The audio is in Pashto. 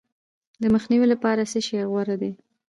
د مخنیوي لپاره څه شی غوره دي؟